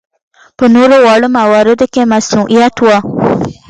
په نورو واړه مواردو کې مصنوعیت و.